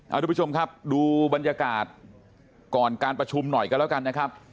เอาทุกผู้ชมครับดูบรรยากาศก่อนการประชุมหน่อยกันแล้วกันนะครับ